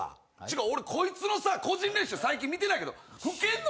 俺こいつの個人練習最近見てないけど吹けんの？